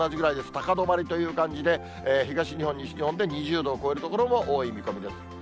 高止まりという感じで、東日本、西日本で２０度を超える所も多い見込みです。